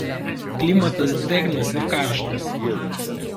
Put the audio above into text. Klimatas drėgnas ir karštas.